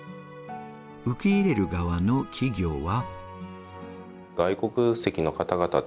受け入れる側の企業は。